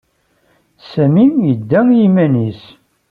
Sami yedda i yiman-nnes.